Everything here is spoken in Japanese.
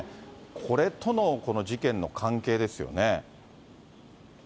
これとの事件の関係ですよね。